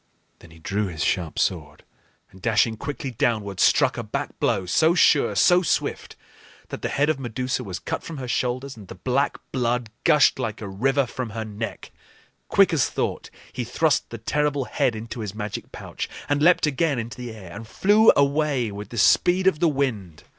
Then he drew his sharp sword and, dashing quickly downward, struck a back blow, so sure, so swift, that the head of Medusa was cut from her shoulders and the black blood gushed like a river from her neck. Quick as thought he thrust the terrible head into his magic pouch and leaped again into the air, and flew away with the speed of the wind.